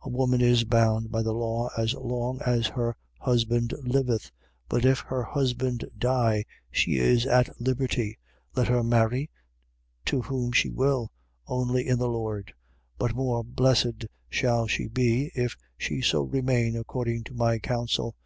7:39. A woman is bound by the law as long as her husband liveth: but if her husband die, she is at liberty. Let her marry to whom she will: only in the Lord. 7:40. But more blessed shall she be, if she so remain, according to my counsel.